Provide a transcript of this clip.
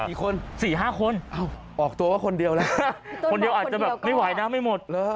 ๔๕คนออกตัวว่าคนเดียวแหละพี่ต้นบอกคนเดียวก็เยอะคนเดียวอาจจะแบบไม่ไหวนะไม่หมด